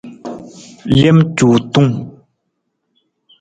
Lem cuutung.